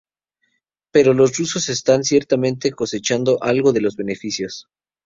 Pero lo rusos están ciertamente cosechando algo de los beneficios.